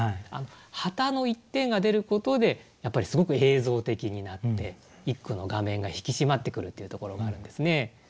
旗の一点が出ることでやっぱりすごく映像的になって一句の画面が引き締まってくるというところがあるんですね。